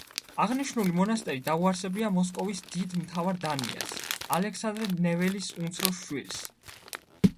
აღნიშნული მონასტერი დაუარსებია მოსკოვის დიდ მთავარ დანიელს, ალექსანდრე ნეველის უმცროს შვილს.